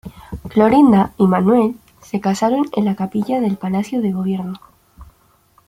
Clorinda y Manuel se casaron en la capilla del Palacio de Gobierno.